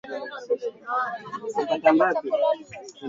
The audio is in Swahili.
Kipindi kirefu cha utasa miongoni mwa wanyama jike